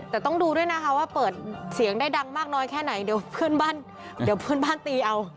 แต่ต้องดูด้วยนะฮะว่าเปิดเสียงได้ดังมากน้อยแค่ไหนเดี๋ยวเพื่อนบ้านตีเอา